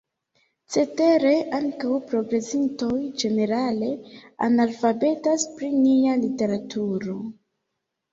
Cetere, ankaŭ progresintoj ĝenerale analfabetas pri nia literaturo.